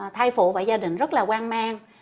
thai phụ và gia đình rất là quan mang